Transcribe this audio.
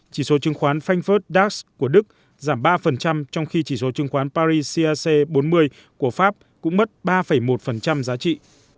chỉ số chứng khoán frankfurt dax của đức giảm ba trong khi chỉ số chứng khoán paris cac bốn mươi của pháp cũng mất ba một giá trị